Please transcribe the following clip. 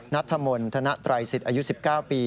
นัดธรรมนธนตรายศิษย์อายุ๑๙ปี